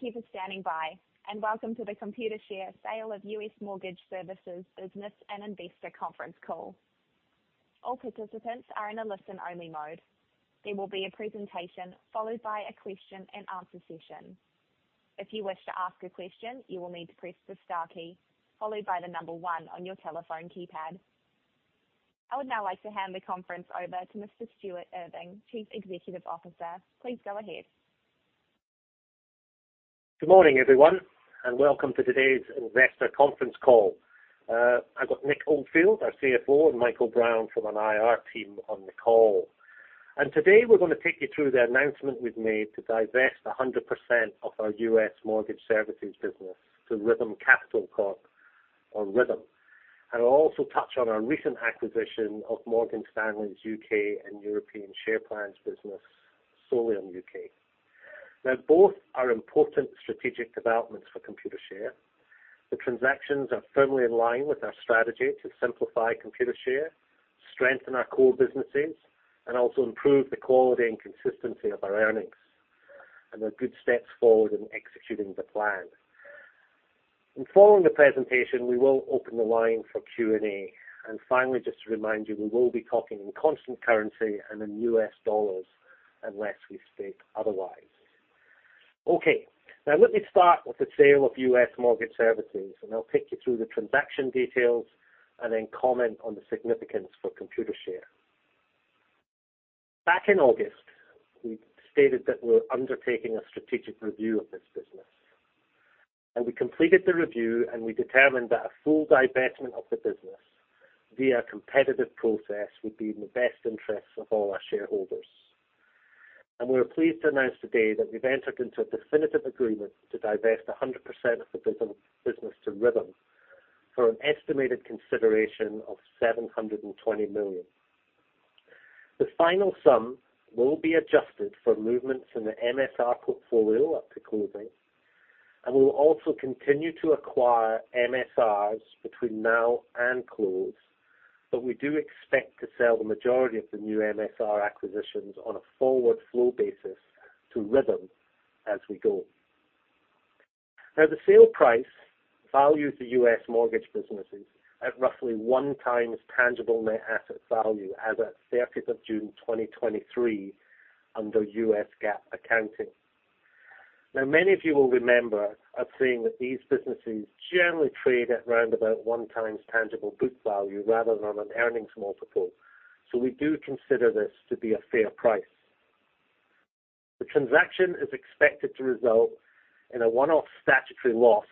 Thank you for standing by, and welcome to the Computershare Sale of U.S. Mortgage Services Business and Investor Conference Call. All participants are in a listen-only mode. There will be a presentation followed by a question-and-answer session. If you wish to ask a question, you will need to press the star key, followed by the number one on your telephone keypad. I would now like to hand the conference over to Mr. Stuart Irving, Chief Executive Officer. Please go ahead. Good morning, everyone, and welcome to today's investor conference call. I've got Nick Oldfield, our CFO, and Michael Brown from our IR team on the call. Today we're going to take you through the announcement we've made to divest 100% of our U.S. Mortgage Services business to Rithm Capital Corp or Rithm, and also touch on our recent acquisition of Morgan Stanley's U.K. and European share plans business solely in the U.K. Now, both are important strategic developments for Computershare. The transactions are firmly in line with our strategy to simplify Computershare, strengthen our core businesses, and also improve the quality and consistency of our earnings, and they're good steps forward in executing the plan. Following the presentation, we will open the line for Q&A. And finally, just to remind you, we will be talking in constant currency and in U.S. dollars unless we state otherwise. Okay, now let me start with the sale of U.S. Mortgage Services, and I'll take you through the transaction details and then comment on the significance for Computershare. Back in August, we stated that we're undertaking a strategic review of this business, and we completed the review, and we determined that a full divestment of the business via a competitive process would be in the best interests of all our shareholders. And we are pleased to announce today that we've entered into a definitive agreement to divest 100% of the business to Rithm for an estimated consideration of $720 million. The final sum will be adjusted for movements in the MSR portfolio up to closing, and we'll also continue to acquire MSRs between now and close, but we do expect to sell the majority of the new MSR acquisitions on a forward flow basis to Rithm as we go. Now, the sale price values the U.S. businesses at roughly 1x tangible net asset value as at 30th of June 2023 under U.S. GAAP accounting. Now, many of you will remember, I've seen that these businesses generally trade at round about 1x tangible book value rather than an earnings multiple. So we do consider this to be a fair price. The transaction is expected to result in a one-off statutory loss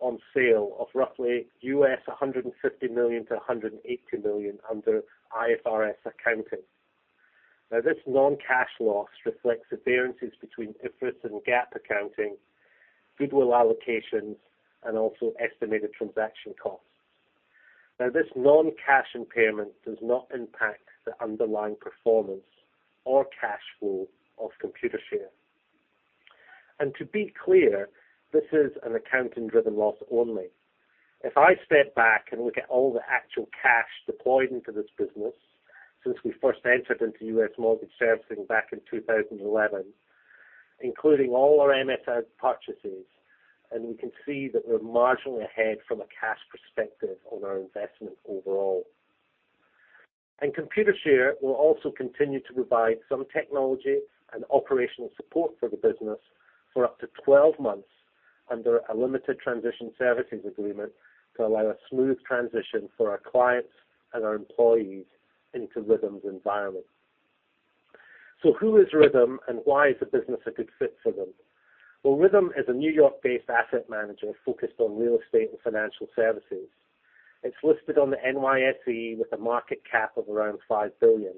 on sale of roughly $150 million-$180 million under IFRS accounting. Now, this non-cash loss reflects the differences between IFRS and GAAP accounting, goodwill allocations, and also estimated transaction costs. Now, this non-cash impairment does not impact the underlying performance or cash flow of Computershare. To be clear, this is an accounting-driven loss only. If I step back and look at all the actual cash deployed into this business since we first entered into U.S. Mortgage Servicing back in 2011, including all our MSR purchases, and we can see that we're marginally ahead from a cash perspective on our investment overall. Computershare will also continue to provide some technology and operational support for the business for up to 12 months under a limited transition services agreement to allow a smooth transition for our clients and our employees into Rithm's environment. Who is Rithm, and why is the business a good fit for them? Well, Rithm is a New York-based asset manager focused on real estate and financial services. It's listed on the NYSE with a market cap of around $5 billion.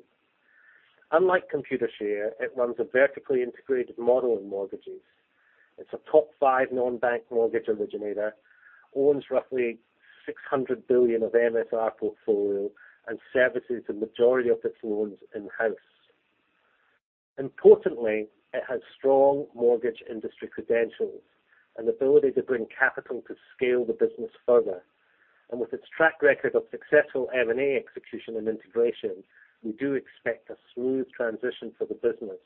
Unlike Computershare, it runs a vertically integrated model of mortgages. It's a top five non-bank mortgage originator, owns roughly $600 billion of MSR portfolio, and services the majority of its loans in-house. Importantly, it has strong mortgage industry credentials and ability to bring capital to scale the business further. And with its track record of successful M&A execution and integration, we do expect a smooth transition for the business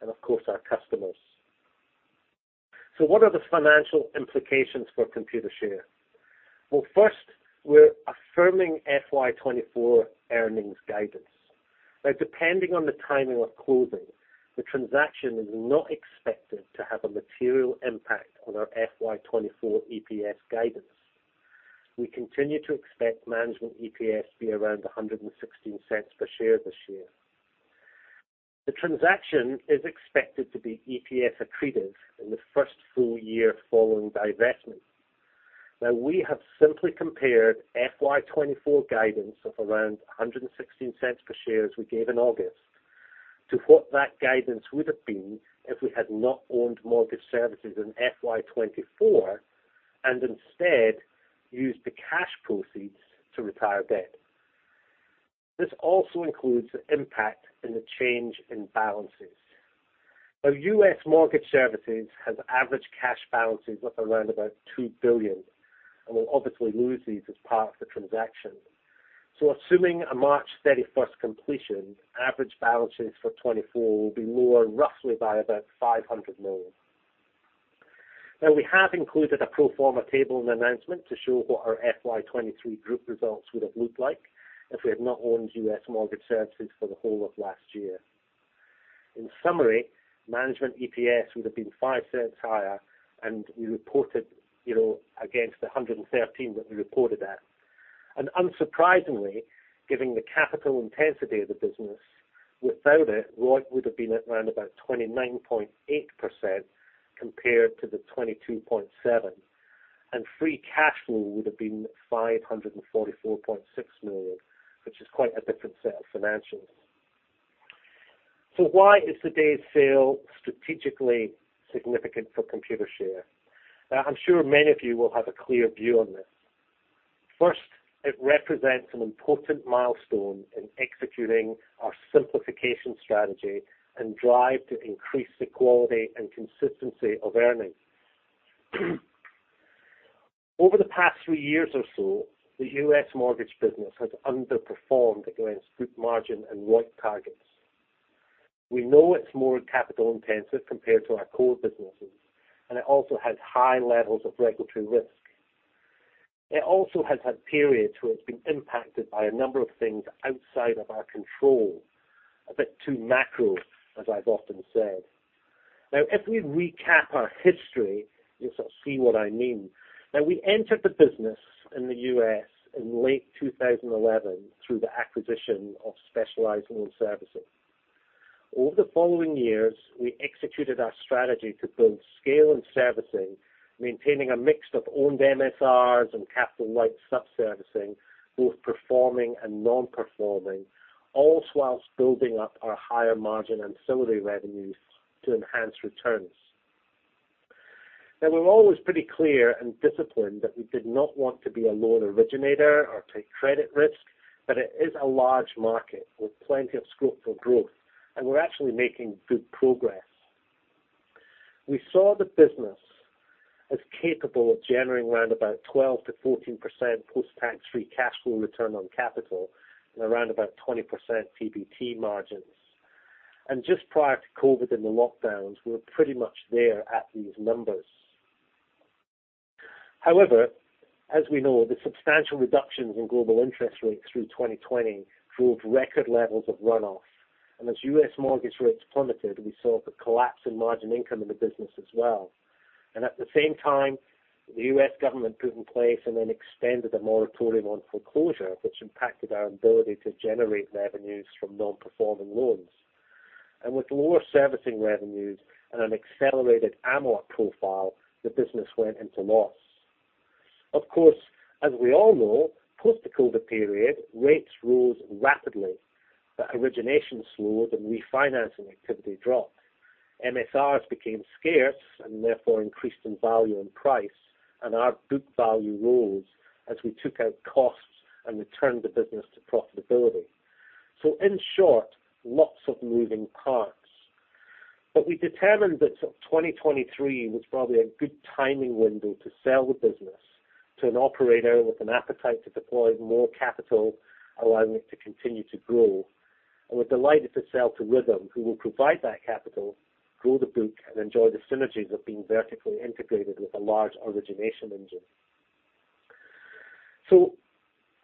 and, of course, our customers. So what are the financial implications for Computershare? Well, first, we're affirming FY 2024 earnings guidance. Now, depending on the timing of closing, the transaction is not expected to have a material impact on our FY 2024 EPS guidance. We continue to expect management EPS to be around $1.16 per share this year. The transaction is expected to be EPS accretive in the first full year following divestment. Now, we have simply compared FY 2024 guidance of around $1.16 per share, as we gave in August, to what that guidance would have been if we had not owned mortgage services in FY 2024 and instead used the cash proceeds to retire debt. This also includes the impact and the change in balances. Now, U.S. Mortgage Services has average cash balances of around about $2 billion and will obviously lose these as part of the transaction. So assuming a March 31st completion, average balances for 2024 will be lower, roughly by about $500 million. Now, we have included a pro forma table in the announcement to show what our FY 2023 group results would have looked like if we had not owned U.S. Mortgage Services for the whole of last year. In summary, management EPS would have been $0.05 higher, and we reported, you know, against the $1.13 that we reported at. Unsurprisingly, given the capital intensity of the business, without it, ROIC would have been at around about 29.8% compared to the 22.7%. Free cash flow would have been 544.6 million, which is quite a different set of financials. So why is today's sale strategically significant for Computershare? Now I'm sure many of you will have a clear view on this. First, it represents an important milestone in executing our simplification strategy and drive to increase the quality and consistency of earnings. Over the past three years or so, the U.S. Mortgage business has underperformed against group margin and ROIC targets. We know it's more capital intensive compared to our core businesses, and it also has high levels of regulatory risk. It also has had periods where it's been impacted by a number of things outside of our control, a bit too macro, as I've often said. Now, if we recap our history, you'll sort of see what I mean. Now, we entered the business in the U.S. in late 2011 through the acquisition of Specialized Loan Servicing. Over the following years, we executed our strategy to build scale and servicing, maintaining a mix of owned MSRs and capital-light sub-servicing, both performing and non-performing, all while building up our higher margin ancillary revenues to enhance returns. Now, we're always pretty clear and disciplined that we did not want to be a loan originator or take credit risk, but it is a large market with plenty of scope for growth, and we're actually making good progress. We saw the business as capable of generating around about 12%-14% post-tax free cash flow return on capital and around about 20% PBT margins. And just prior to COVID and the lockdowns, we were pretty much there at these numbers. However, as we know, the substantial reductions in global interest rates through 2020 drove record levels of run-off, and as U.S. Mortgage rates plummeted, we saw the collapse in margin income in the business as well. At the same time, the U.S. government put in place and then extended a moratorium on foreclosure, which impacted our ability to generate revenues from non-performing loans. With lower servicing revenues and an accelerated amort profile, the business went into loss. Of course, as we all know, post the COVID period, rates rose rapidly, but origination slowed and refinancing activity dropped. MSRs became scarce and therefore increased in value and price, and our book value rose as we took out costs and returned the business to profitability. In short, lots of moving parts. But we determined that sort of 2023 was probably a good timing window to sell the business to an operator with an appetite to deploy more capital, allowing it to continue to grow. And we're delighted to sell to Rithm, who will provide that capital, grow the book, and enjoy the synergies of being vertically integrated with a large origination engine. So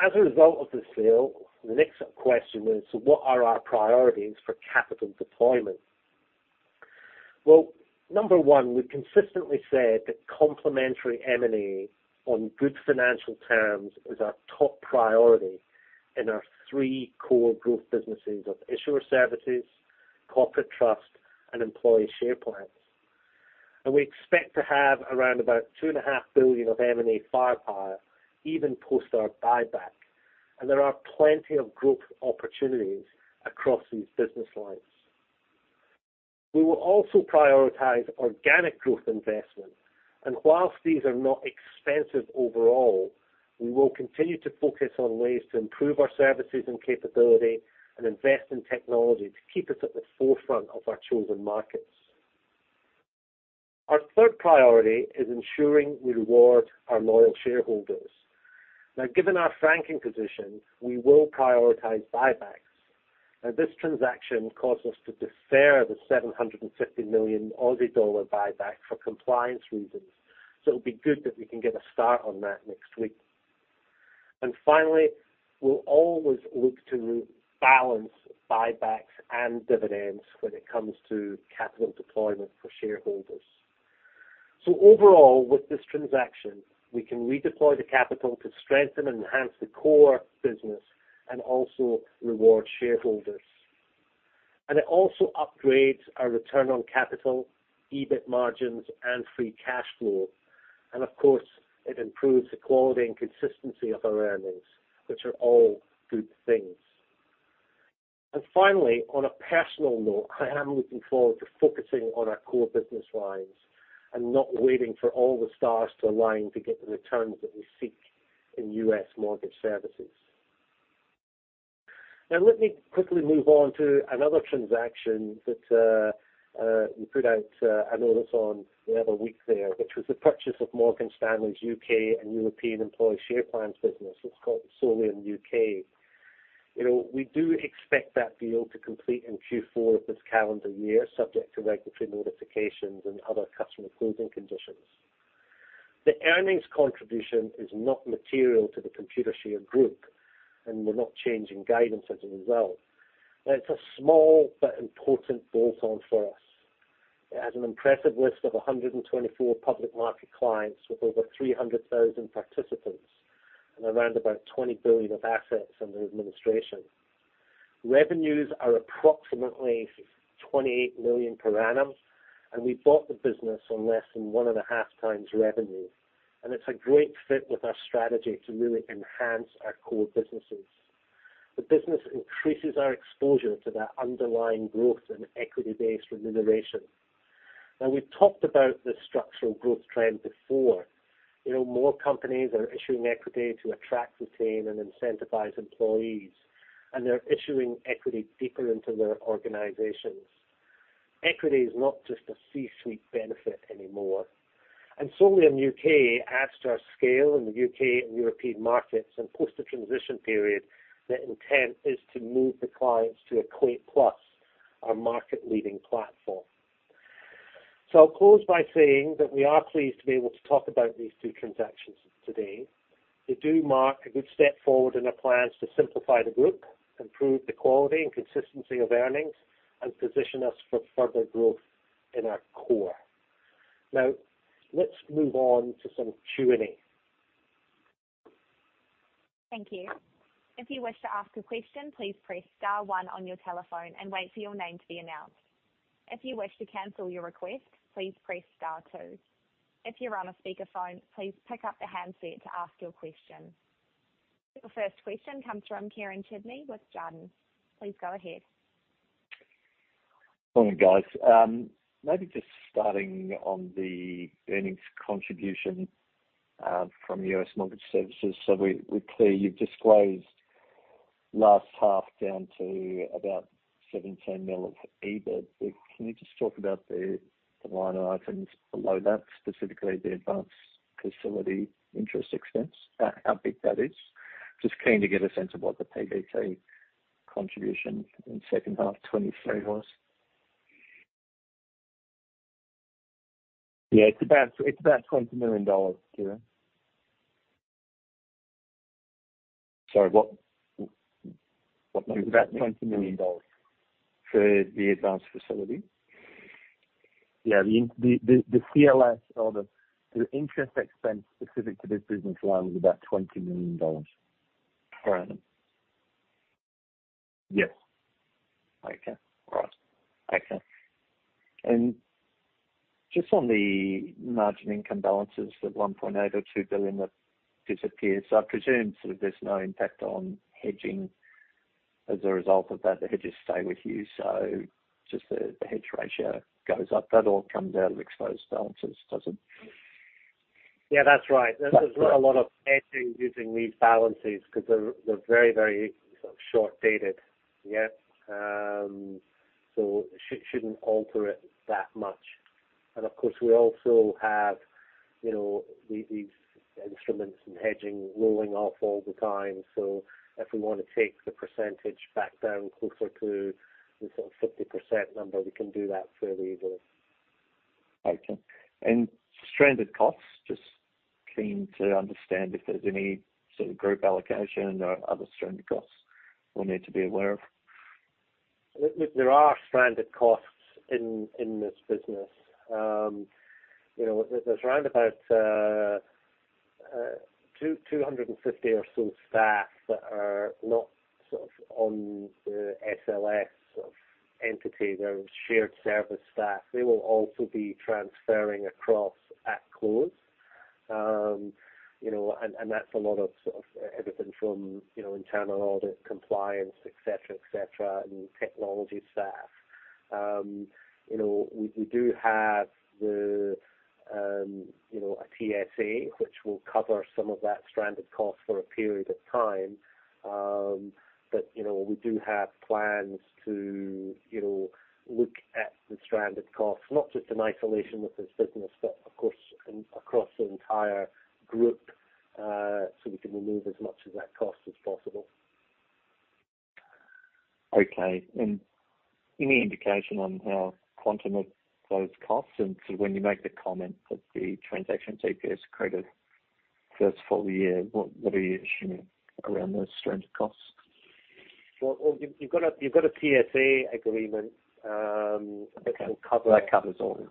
as a result of the sale, the next question is: So what are our priorities for capital deployment? Well, number one, we've consistently said that complementary M&A on good financial terms is our top priority in our three core growth businesses of issuer services, corporate trust, and employee share plans. And we expect to have around about 2.5 billion of M&A firepower, even post our buyback. And there are plenty of growth opportunities across these business lines. We will also prioritize organic growth investments, and while these are not expensive overall, we will continue to focus on ways to improve our services and capability and invest in technology to keep us at the forefront of our chosen markets. Our third priority is ensuring we reward our loyal shareholders. Now, given our franking position, we will prioritize buybacks. Now, this transaction caused us to defer the 750 million Aussie dollar buyback for compliance reasons. So it'll be good that we can get a start on that next week. And finally, we'll always look to balance buybacks and dividends when it comes to capital deployment for shareholders. So overall, with this transaction, we can redeploy the capital to strengthen and enhance the core business and also reward shareholders. And it also upgrades our return on capital, EBIT margins, and free cash flow. And of course, it improves the quality and consistency of our earnings, which are all good things. And finally, on a personal note, I am looking forward to focusing on our core business lines and not waiting for all the stars to align to get the returns that we seek in U.S. Mortgage Services. Now let me quickly move on to another transaction that we put out a notice on the other week there, which was the purchase of Morgan Stanley's U.K. and European employee share plans business. It's called Solium U.K. You know, we do expect that deal to complete in Q4 of this calendar year, subject to regulatory notifications and other customer closing conditions. The earnings contribution is not material to the Computershare Group, and we're not changing guidance as a result. But it's a small but important bolt-on for us. It has an impressive list of 124 public market clients with over 300,000 participants and around about 20 billion of assets under administration. Revenues are approximately 28 million per annum, and we bought the business on less than one and a half times revenue. And it's a great fit with our strategy to really enhance our core businesses. The business increases our exposure to that underlying growth in equity-based remuneration. Now, we've talked about this structural growth trend before. You know, more companies are issuing equity to attract, retain, and incentivize employees, and they're issuing equity deeper into their organizations. Equity is not just a C-suite benefit anymore, and Solium U.K. adds to our scale in the U.K. and European markets, and post the transition period, the intent is to move the clients to EquatePlus, our market-leading platform. So I'll close by saying that we are pleased to be able to talk about these two transactions today. They do mark a good step forward in our plans to simplify the group, improve the quality and consistency of earnings, and position us for further growth in our core. Now, let's move on to some Q&A. Thank you. If you wish to ask a question, please press star one on your telephone and wait for your name to be announced. If you wish to cancel your request, please press star two. If you're on a speakerphone, please pick up the handset to ask your question. The first question comes from Kieran Chidgey with [Jarden]. Please go ahead. Morning, guys. Maybe just starting on the earnings contribution from U.S. Mortgage Services. So we clearly you've disclosed last half down to about 17 million of EBIT. But can you just talk about the line items below that, specifically the advance facility interest expense? How big that is. Just keen to get a sense of what the PBT contribution in second half 2023 was. Yeah, it's about, it's about $20 million, Kieran. Sorry, what? What number- About $20 million. For the advance facility? Yeah, the interest expense specific to this business line was about $20 million. Per annum? Yes. Okay, all right. Okay. And just on the margin income balances, that $1.8 billion or $2 billion that disappears, I presume sort of there's no impact on hedging as a result of that. The hedges stay with you, so just the, the hedge ratio goes up. That all comes out of exposed balances, does it? Yeah, that's right. Okay. There's not a lot of hedging using these balances because they're, they're very, very sort of short-dated. Yeah. So should, shouldn't alter it that much. And of course, we also have, you know, these, these instruments and hedging rolling off all the time. So if we want to take the percentage back down closer to the sort of 50% number, we can do that fairly easily. Okay. And stranded costs, just keen to understand if there's any sort of group allocation or other stranded costs we'll need to be aware of? There are stranded costs in this business. You know, there's round about 250 or so staff that are not sort of on the SLS entity. They're shared service staff. They will also be transferring across at close. You know, and that's a lot of sort of everything from internal audit, compliance, et cetera, and technology staff. You know, we do have a TSA, which will cover some of that stranded cost for a period of time. But you know, we do have plans to look at the stranded costs, not just in isolation with this business, but of course, across the entire group, so we can remove as much of that cost as possible. Okay. Any indication on how quantum of those costs? So when you make the comment that the transaction TPS accredited first full year, what are you assuming around those stranded costs? Well, you've got a TSA agreement that will cover- That covers all.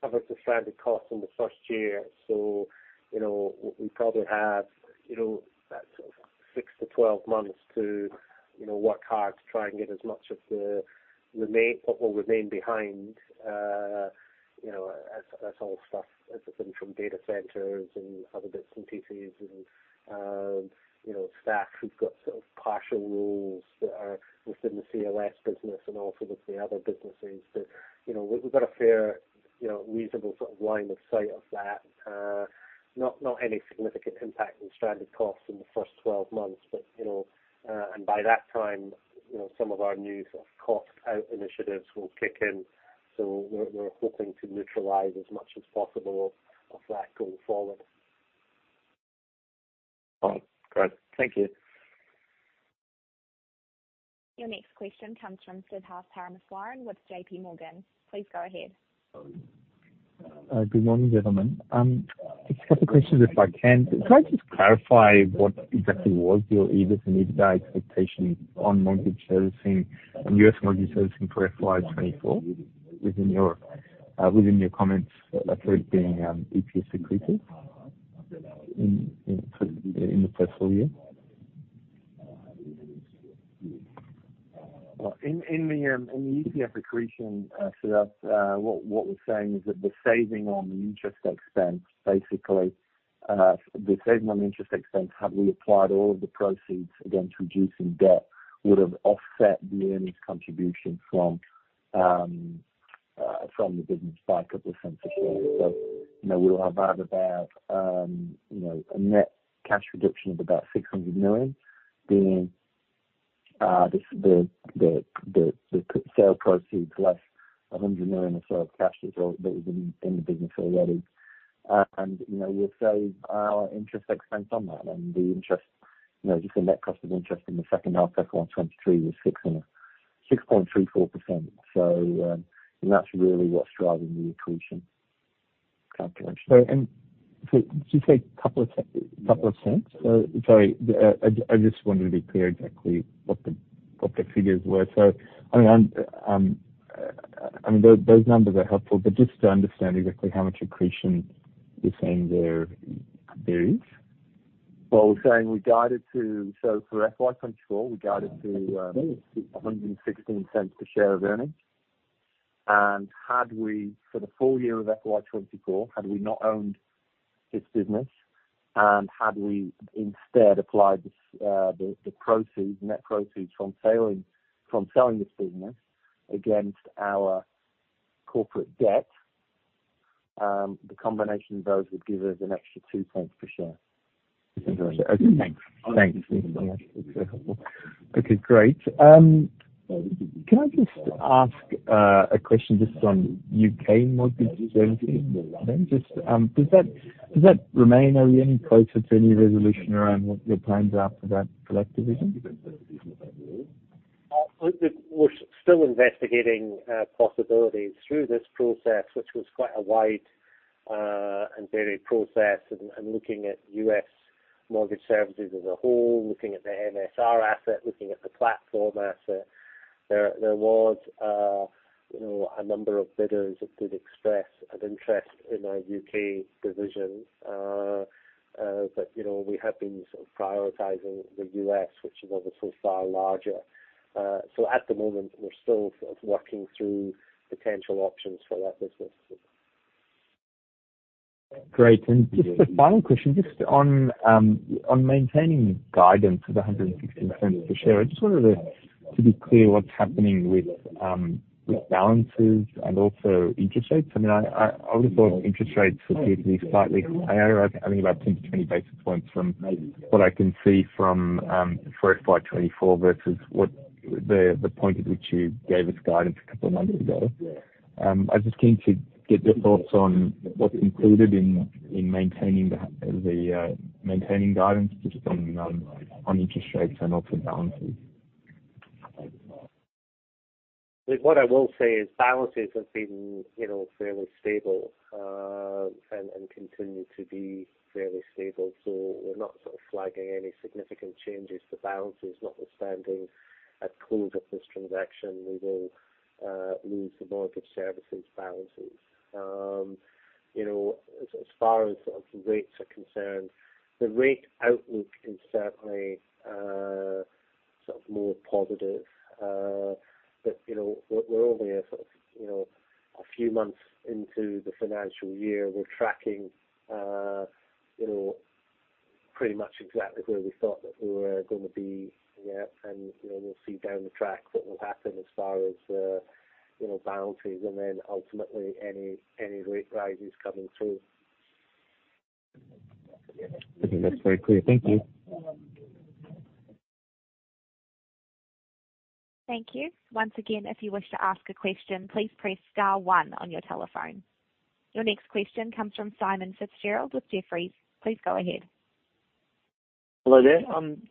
Cover the stranded costs in the first year. So, you know, we probably have, you know, about six to 12 months to, you know, work hard to try and get as much of the remaining what will remain behind. You know, that's, that's all stuff, as I said, from data centers and other bits and pieces. And, you know, staff who've got sort of partial roles that are within the CLS business and also with the other businesses that, you know, we've got a fair, you know, reasonable sort of line of sight of that. Not, not any significant impact on stranded costs in the first 12 months. But, you know, and by that time, you know, some of our new sort of cost out initiatives will kick in. So we're, we're hoping to neutralize as much as possible of that going forward. All right, great. Thank you. Your next question comes from Siddharth Parameswaran with JPMorgan. Please go ahead. Good morning, gentlemen. A couple questions, if I can. Can I just clarify what exactly was your EBIT and EBITDA expectation on Mortgage Servicing, on U.S. Servicing for FY 2024 within your comments about it being EPS accretive in the first full year? Well, in the EPS accretion, so that's what we're saying is that the saving on the interest expense, basically, the saving on the interest expense, had we applied all of the proceeds against reducing debt, would have offset the earnings contribution from the business by a couple of cents a share. So, you know, we will have about, you know, a net cash reduction of about $600 million being the sale proceeds, less $100 million or so of cash that's all that was in the business already. And, you know, we save our interest expense on that. And the interest, you know, just the net cost of interest in the second half of FY 2023 was 600, 6.34%. And that's really what's driving the accretion calculation. So and so did you say couple of cents? Sorry, I just wanted to be clear exactly what the figures were. So, I mean, I mean, those numbers are helpful, but just to understand exactly how much accretion you're saying there is. Well, we're saying we guided to... So for FY 2024, we guided to $1.16 per share of earnings. And had we, for the full year of FY 2024, had we not owned this business, and had we instead applied the net proceeds from selling this business against our corporate debt, the combination of those would give us an extra $0.02 cents per share. Okay, thanks. Thanks. Yeah, that's helpful. Okay, great. Can I just ask a question just on U.K. Mortgage Services? Just, does that, does that remain? Are we any closer to any resolution around what your plans are for that division? We're still investigating possibilities through this process, which was quite a wide and varied process, and looking at U.S. Mortgage Services as a whole, looking at the MSR asset, looking at the platform asset. There was, you know, a number of bidders that did express an interest in our U.K. division. But, you know, we have been sort of prioritizing the U.S., which is obviously far larger. So at the moment, we're still sort of working through potential options for that business. Great. Just a final question, just on maintaining guidance of $1.16 per share. I just wanted to be clear what's happening with balances and also interest rates. I mean, I would have thought interest rates would be slightly higher. I think about 10-20 basis points from what I can see from for FY 2024 versus what the point at which you gave us guidance a couple of months ago. I'm just keen to get your thoughts on what's included in maintaining guidance just on interest rates and also balances. Look, what I will say is balances have been, you know, fairly stable, and continue to be fairly stable. So we're not sort of flagging any significant changes to balances, notwithstanding at close of this transaction, we will lose the mortgage services balances. You know, as far as the rates are concerned, the rate outlook is certainly sort of more positive. But, you know, we're only a sort of, you know, a few months into the financial year. We're tracking, you know, pretty much exactly where we thought that we were going to be. Yeah, and, you know, we'll see down the track what will happen as far as, you know, balances and then ultimately, any rate rises coming through. Okay. That's very clear. Thank you. Thank you. Once again, if you wish to ask a question, please press star one on your telephone. Your next question comes from Simon Fitzgerald with Jefferies. Please go ahead. Hello there.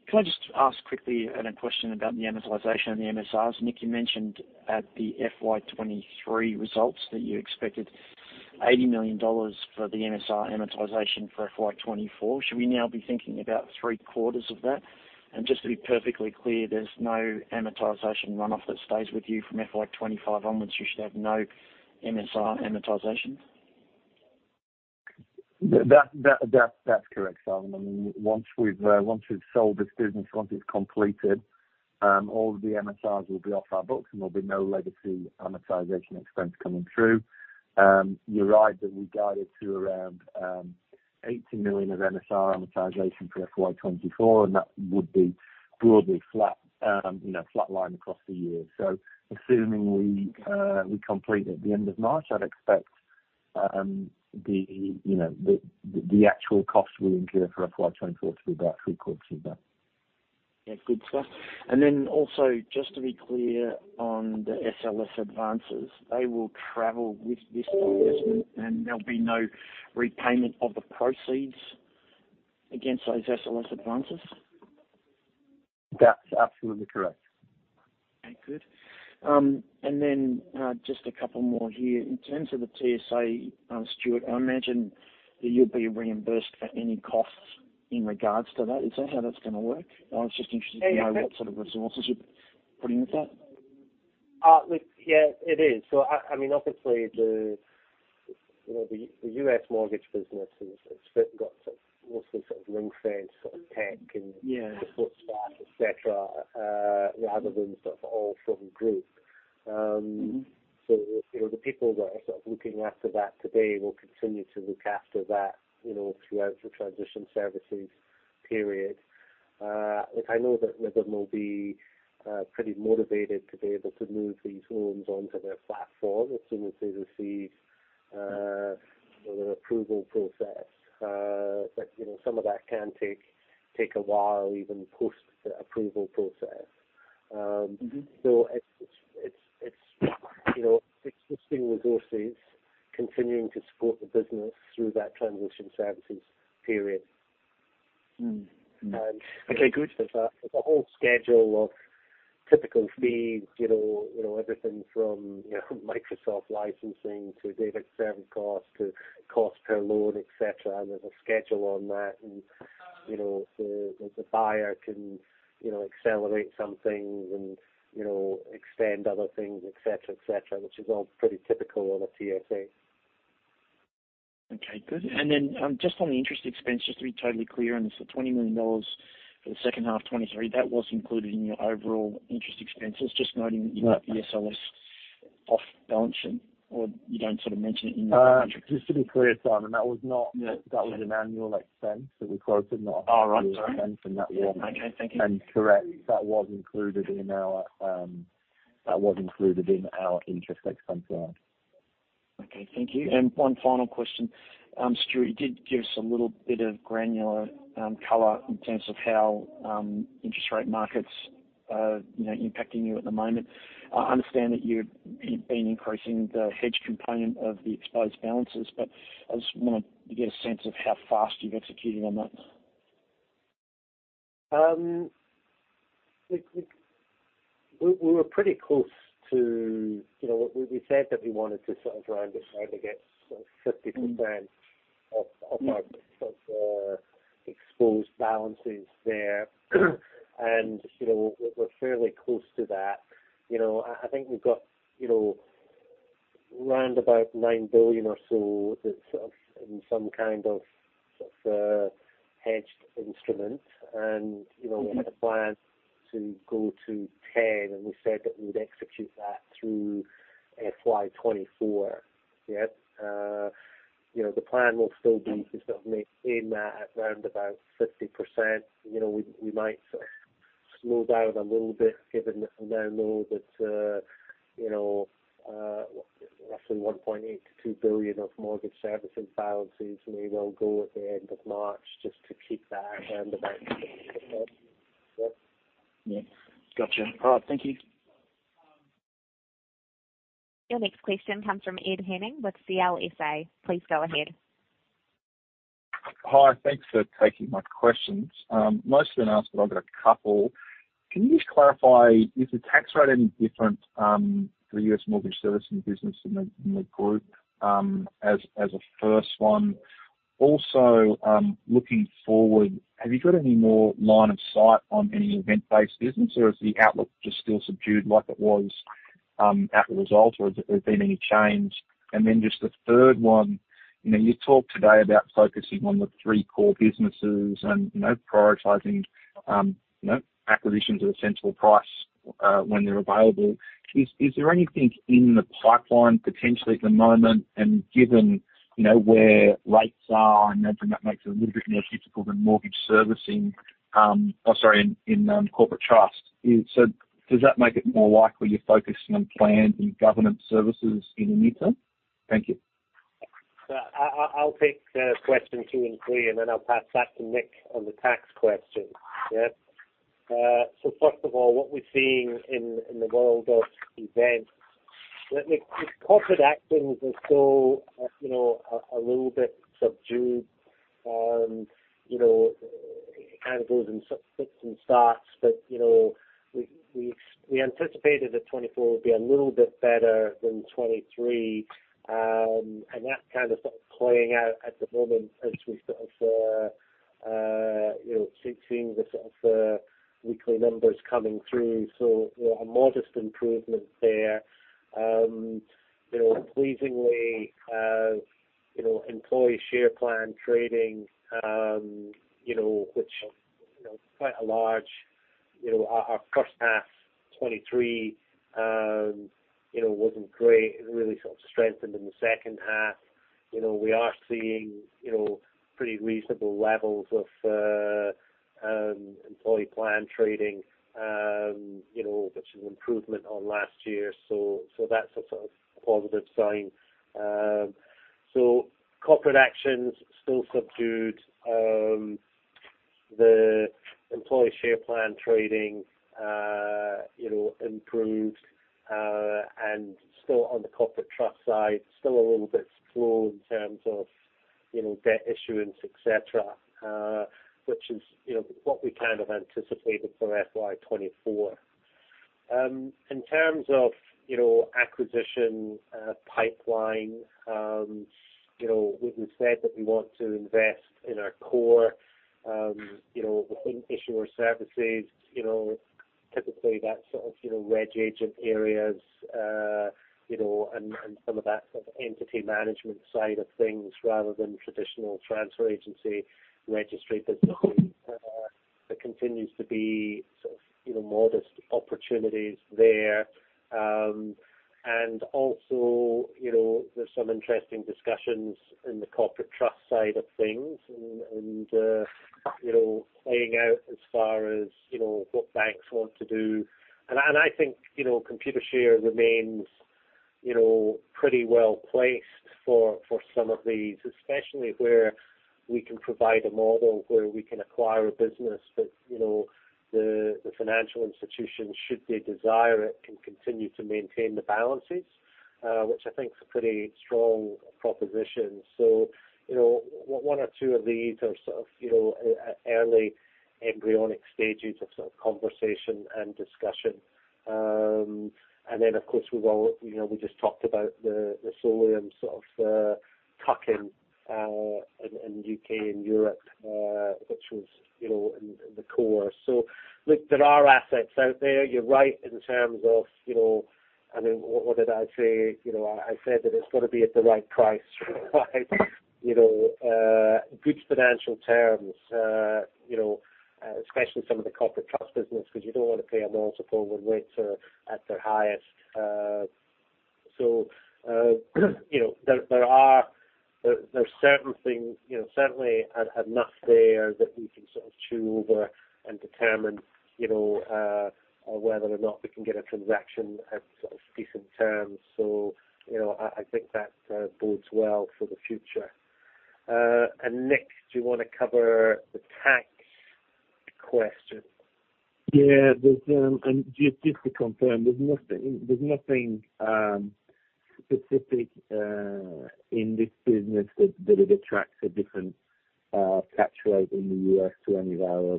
Can I just ask quickly a question about the amortization and the MSRs? Nick, you mentioned at the FY 2023 results that you expected $80 million for the MSR amortization for FY 2024. Should we now be thinking about three quarters of that? And just to be perfectly clear, there's no amortization runoff that stays with you from FY 2025 onwards. You should have no MSR amortization?... Yeah, that's correct, Simon. I mean, once we've sold this business, once it's completed, all of the MSRs will be off our books, and there'll be no legacy amortization expense coming through. You're right, that we guided to around $80 million of MSR amortization for FY 2024, and that would be broadly flat, you know, flat line across the year. So assuming we complete at the end of March, I'd expect, you know, the actual costs we incur for FY 2024 to be about three-quarters of that. Yeah, good stuff. And then also, just to be clear on the SLS advances, they will travel with this investment, and there'll be no repayment of the proceeds against those SLS advances? That's absolutely correct. Okay, good. And then, just a couple more here. In terms of the TSA, Stuart, I imagine that you'll be reimbursed for any costs in regards to that. Is that how that's gonna work? I was just interested to know what sort of resources you're putting into that. Look, yeah, it is. So I mean, obviously, you know, the U.S. Mortgage business is, has got mostly sort of ring-fence sort of tech and- Yeah. -the foot staff, et cetera, rather than sort of all from group. Mm-hmm. So, you know, the people that are sort of looking after that today will continue to look after that, you know, throughout the transition services period. Look, I know that Rithm will be pretty motivated to be able to move these loans onto their platform as soon as they receive the approval process. But you know, some of that can take a while, even post the approval process. Mm-hmm. So it's, you know, it's existing resources continuing to support the business through that transition services period. Mm, mm. Okay, good. There's a whole schedule of typical fees, you know, you know, everything from, you know, Microsoft licensing to data center costs, to cost per loan, et cetera. And, you know, the buyer can, you know, accelerate some things and, you know, extend other things, et cetera, et cetera, which is all pretty typical on a TSA. Okay, good. And then, just on the interest expense, just to be totally clear on this, the $20 million for the second half of 2023, that was included in your overall interest expenses, just noting that- Right. the SLS off balance sheet, or you don't sort of mention it in the Just to be clear, Simon, that was not- Yeah. That was an annual expense that we quoted, not- Oh, right. Sorry. And that was- Okay, thank you. Correct, that was included in our, that was included in our interest expense guide. Okay, thank you. One final question. Stuart, you did give us a little bit of granular color in terms of how interest rate markets are, you know, impacting you at the moment. I understand that you've been increasing the hedge component of the exposed balances, but I just wanted to get a sense of how fast you've executed on that. We were pretty close to... You know, we said that we wanted to sort of round about to get sort of 50%. Mm-hmm of our exposed balances there. And, you know, we're fairly close to that. You know, I think we've got, you know, round about $9 billion or so that's sort of in some kind of, sort of, hedged instrument. And, you know- Mm-hmm We had a plan to go to $10 billion, and we said that we'd execute that through FY 2024. Yep, you know, the plan will still be to sort of make in that at round about 50%. You know, we might sort of smooth out a little bit, given that we now know that, you know, roughly $1.8 billion-$2 billion of Mortgage Servicing balances may well go at the end of March just to keep that round about. Yep. Yeah. Gotcha. All right, thank you. Your next question comes from Ed Henning with CLSA. Please go ahead. Hi, thanks for taking my questions. Most have been asked, but I've got a couple. Can you just clarify, is the tax rate any different, for the U.S. Mortgage Servicing business in the, in the group, as, as a first one? Also, looking forward, have you got any more line of sight on any event-based business, or is the outlook just still subdued like it was, at the result, or has there been any change? And then just the third one, you know, you talked today about focusing on the three core businesses and, you know, prioritizing, you know, acquisitions at a central price, when they're available. Is there anything in the pipeline potentially at the moment, and given, you know, where rates are and everything, that makes it a little bit more difficult than Mortgage Servicing, or sorry, in corporate trust? So does that make it more likely you're focusing on plans and government services in the interim? Thank you. So I'll take question two and three, and then I'll pass that to Nick on the tax question. Yep. So first of all, what we're seeing in the world of events, look, the corporate actions are still, you know, a little bit subdued. You know, it kind of goes in sort of fits and starts, but, you know, we anticipated that 2024 would be a little bit better than 2023. And that kind of stuff playing out at the moment as we sort of seeing the sort of weekly numbers coming through, so, you know, a modest improvement there. You know, pleasingly, you know, employee share plan trading, you know, which, you know, quite a large, you know, our first half 2023, you know, wasn't great. It really sort of strengthened in the second half. You know, we are seeing, you know, pretty reasonable levels of, employee plan trading, you know, which is improvement on last year. So, so that's a sort of positive sign. So corporate actions still subdued. The employee share plan trading, you know, improved, and still on the corporate trust side, still a little bit slow in terms of, you know, debt issuance, et cetera, which is, you know, what we kind of anticipated for FY 2024. In terms of, you know, acquisition pipeline, you know, we've said that we want to invest in our core, you know, within issuer services, you know, typically that's sort of, you know, reg agent areas, you know, and, and some of that sort of entity management side of things, rather than traditional transfer agency registry business. There continues to be sort of, you know, modest opportunities there. And also, you know, there's some interesting discussions in the corporate trust side of things and, and, you know, playing out as far as, you know, what banks want to do. I think, you know, Computershare remains, you know, pretty well placed for some of these, especially where we can provide a model where we can acquire a business that, you know, the financial institutions, should they desire it, can continue to maintain the balances, which I think is a pretty strong proposition. So, you know, one or two of these are sort of, you know, early embryonic stages of sort of conversation and discussion. And then, of course, we've all. You know, we just talked about the Solium sort of tuck-in in U.K. and Europe, which was, you know, in the core. So look, there are assets out there. You're right in terms of, you know, I mean, what did I say? You know, I said that it's got to be at the right price, you know, good financial terms, you know, especially some of the corporate trust business, because you don't want to pay a multiple when rates are at their highest. So, you know, there are certain things, you know, certainly enough there that we can sort of chew over and determine, you know, whether or not we can get a transaction at sort of decent terms. So, you know, I think that bodes well for the future. And Nick, do you want to cover the tax question? Yeah, there's just to confirm, there's nothing specific in this business that it attracts a different tax rate in the U.S. to any of our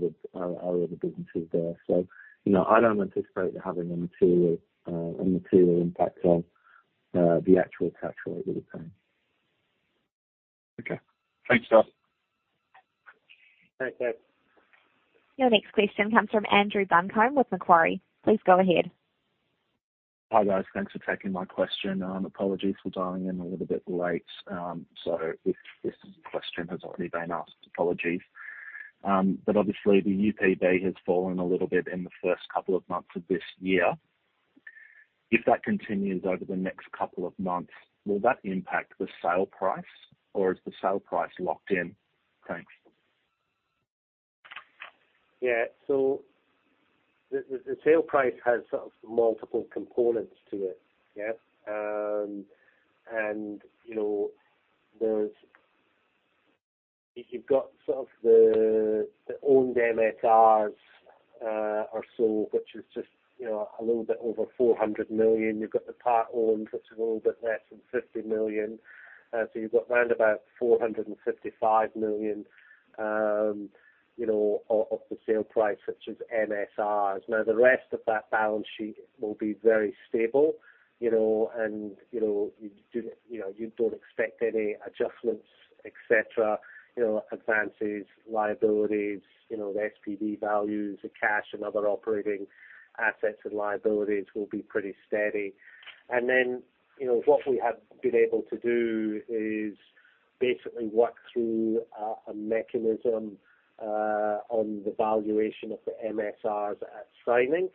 other businesses there. So, you know, I don't anticipate it having a material impact on the actual tax rate with the time. Okay. Thanks, Nick. Thanks, Nick. Your next question comes from Andrew Buncombe with Macquarie. Please go ahead. Hi, guys. Thanks for taking my question, and apologies for dialing in a little bit late. If this question has already been asked, apologies. Obviously the UPB has fallen a little bit in the first couple of months of this year. If that continues over the next couple of months, will that impact the sale price, or is the sale price locked in? Thanks. Yeah. So the sale price has sort of multiple components to it. Yeah. And, you know, there's... You've got sort of the owned MSRs, or so, which is just, you know, a little bit over $400 million. You've got the part owned, which is a little bit less than $50 million. So you've got round about $455 million, you know, of the sale price, which is MSRs. Now, the rest of that balance sheet will be very stable, you know, and, you know, you do, you know, you don't expect any adjustments, et cetera, you know, advances, liabilities, you know, the SPV values, the cash, and other operating assets and liabilities will be pretty steady. And then, you know, what we have been able to do is basically work through a mechanism on the valuation of the MSRs at signing.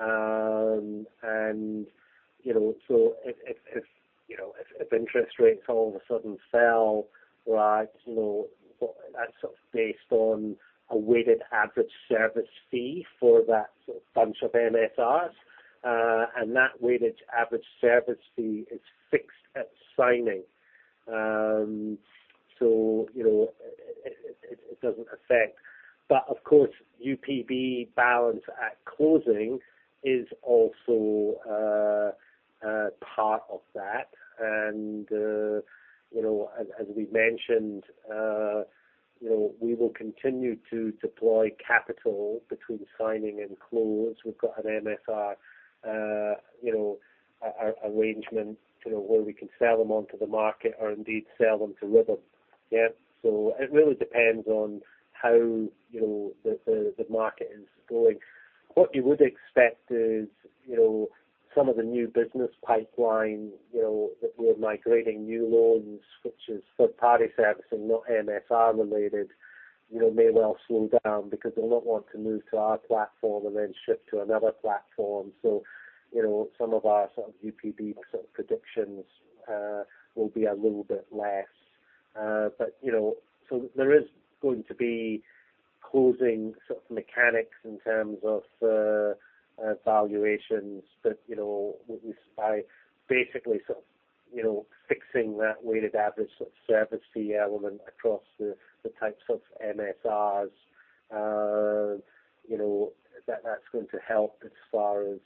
And, you know, so if interest rates all of a sudden fell, like, you know, well, that's sort of based on a weighted average service fee for that sort of bunch of MSRs. And that weighted average service fee is fixed at signing. So, you know, it doesn't affect. But of course, UPB balance at closing is also part of that. And, you know, as we've mentioned, you know, we will continue to deploy capital between signing and close. We've got an MSR, you know, a arrangement, you know, where we can sell them onto the market or indeed sell them to Rithm. Yeah. So it really depends on how, you know, the market is going. What you would expect is, you know, some of the new business pipeline, you know, that we're migrating new loans, which is third-party servicing, not MSR related, you know, may well slow down because they'll not want to move to our platform and then shift to another platform. So, you know, some of our sort of UPB sort of predictions will be a little bit less. But, you know, so there is going to be closing sort of mechanics in terms of valuations. But, you know, we by basically sort of, you know, fixing that weighted average sort of service fee element across the types of MSRs, you know, that's going to help as far as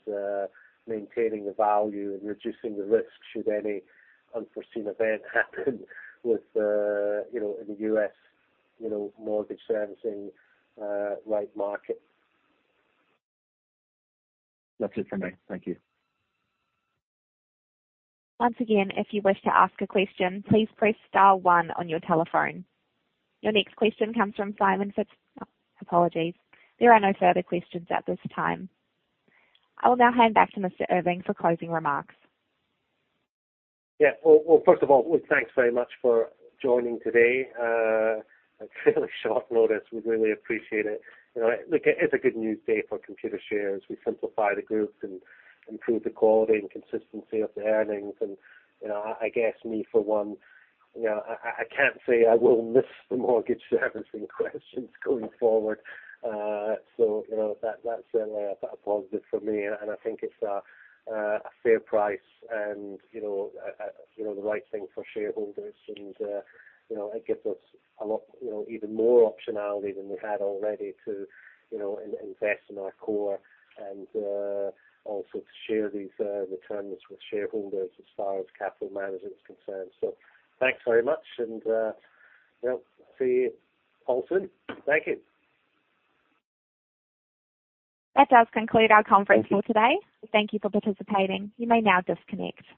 maintaining the value and reducing the risk should any unforeseen event happen with, you know, in the U.S., you know, Mortgage Servicing right market. That's it for me. Thank you. Once again, if you wish to ask a question, please press star one on your telephone. Your next question comes from Simon Fitzgerald... Apologies. There are no further questions at this time. I will now hand back to Mr. Irving for closing remarks. Yeah. Well, first of all, thanks very much for joining today at really short notice. We really appreciate it. You know, look, it's a good news day for Computershare. We simplify the group and improve the quality and consistency of the earnings. And, you know, I guess me, for one, you know, I can't say I will miss the Mortgage Servicing questions going forward. So you know, that's certainly a positive for me, and I think it's a fair price and, you know, the right thing for shareholders. And, you know, it gives us a lot, you know, even more optionality than we had already to, you know, invest in our core and also to share these returns with shareholders as far as capital management is concerned. Thanks very much and, yeah, see you all soon. Thank you. That does conclude our conference call today. Thank you for participating. You may now disconnect.